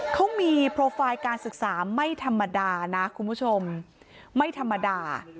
เขามีโปรไฟล์การศึกษาไม่ธรรมดานะคุณผู้ชมไม่ธรรมดา